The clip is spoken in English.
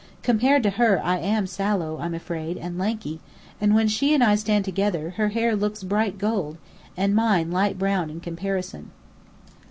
Compared to her, I am sallow, I'm afraid, and lanky: and when she and I stand together, her hair looks bright gold, and mine light brown in comparison.